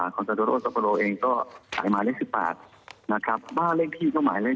คอนเตอร์โดโรซาโพโรเองก็ถ่ายหมายเลข๑๘บ้านเลขที่ก็หมายเลข๑๘